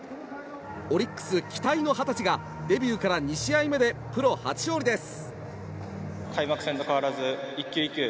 オリックス期待の二十歳がデビューから２試合目でプロ初勝利です！